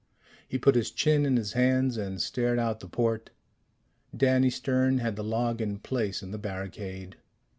He put his chin in his hands and stared out the port. Danny Stern had the log in place in the barricade.